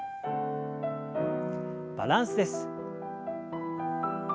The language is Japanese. バランスです。